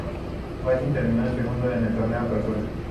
Racing terminó segundo en el Torneo Apertura.